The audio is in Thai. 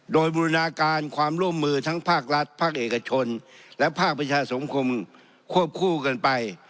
โดยบูรณาการความร่วมมือทั้งภาครัฐภาคเอกชนและภาคประชาสมคมควบคู่กันไป